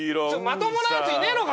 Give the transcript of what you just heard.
まともなやついねえのか？